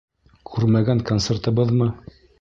Күрмәгән концертыбыҙмы?